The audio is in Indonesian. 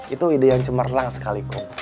itu ide yang cemerlang sekali kum